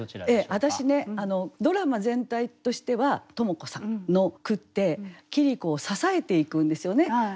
私ねドラマ全体としては知子さんの句って桐子を支えていくんですよね。